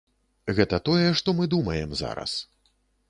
Гэта тое, што мы думаем зараз.